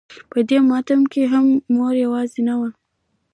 په دې ماتم کې هغه مور يوازې نه وه.